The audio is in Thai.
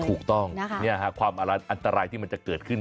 ถูกต้องความอันตรายที่มันจะเกิดขึ้น